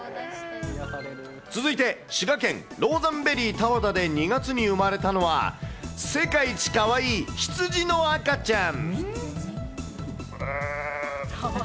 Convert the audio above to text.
続いて、滋賀県ローザンベリー多和田で２月に生まれたのは、世界一かわいいヒツジの赤ちゃん。